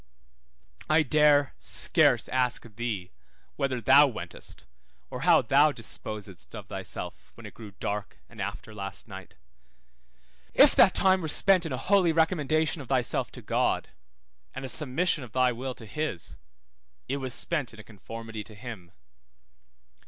I dare scarce ask thee whither thou wentest, or how thou disposedst of thyself, when it grew dark and after last night. If that time were spent in a holy recommendation of thyself to God, and a submission of thy will to his, it was spent in a conformity to him.